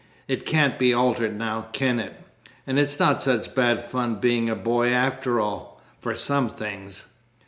It can't be altered now, can it? And it's not such bad fun being a boy after all for some things.